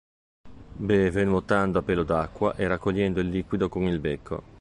Beve nuotando a pelo d'acqua e raccogliendo il liquido con il becco.